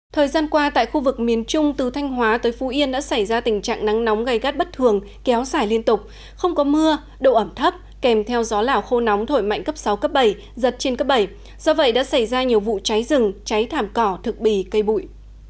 thời gian qua tại khu vực miền trung từ thanh hóa tới phú yên đã xảy ra tình trạng nắng nóng gây gắt bất thường kéo xảy liên tục không có mưa độ ẩm thấp kèm theo gió lảo khô nóng thổi mạnh cấp sáu cấp bảy giật trên cấp bảy do vậy đã xảy ra nhiều vụ cháy rừng cháy thảm cỏ thực bì cây bụi